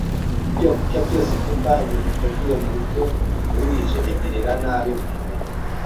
Ibyokurya byose by’imvange ziteguye mu buryo buruhije bigirira nabi imibiri